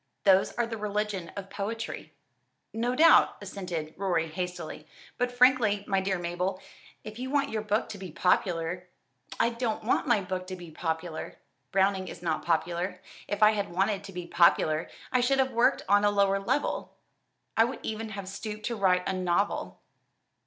"Those are the religion of poetry " "No doubt," assented Rorie hastily; "but frankly, my dear Mabel, if you want your book to be popular " "I don't want my book to be popular. Browning is not popular. If I had wanted to be popular, I should have worked on a lower level. I would even have stooped to write a novel."